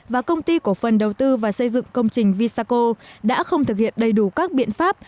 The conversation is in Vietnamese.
và công ty cổ phần đầu tư và xây dựng công trình vsaco đã không thực hiện đầy đủ các biện pháp